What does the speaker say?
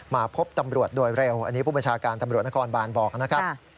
มาพบตำรวจโดยเร็วอันนี้ผู้บัญชาการตำรวจนครบานบอกนะครับ